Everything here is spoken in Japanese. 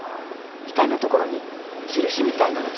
額のところに印みたいなのつけてる。